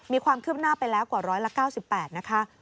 มีความขึ้นหน้าไปแล้วกว่าร้อยละ๙๘นะคะ